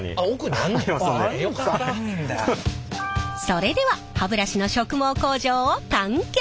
それでは歯ブラシの植毛工場を探検！